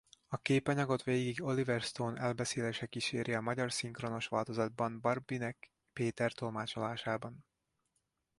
A képanyagot végig Oliver Stone elbeszélése kíséri a magyar szinkronos változatban Barbinek Péter tolmácsolásában.